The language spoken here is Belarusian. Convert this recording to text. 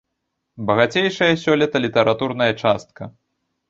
Багацейшая сёлета літаратурная частка.